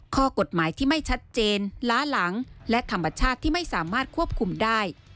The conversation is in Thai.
ข้อกฎหมายที่ไม่ชัดเจนล้าหลังและธรรมชาติที่ไม่สามารถควบคุมได้